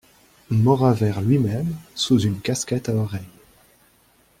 Mauravert lui-même, sous une casquette à oreilles.